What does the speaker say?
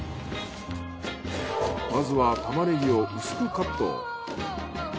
まずはタマネギを薄くカット。